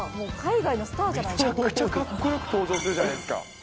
めちゃくちゃかっこよく登場するじゃないですか。